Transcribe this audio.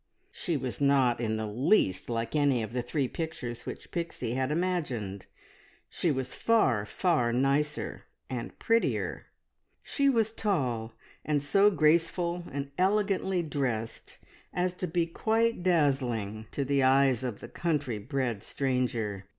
She was not in the least like any of the three pictures which Pixie had imagined, she was far, far nicer and prettier. She was tall, and so graceful and elegantly dressed as to be quite dazzling to the eyes of the country bred stranger.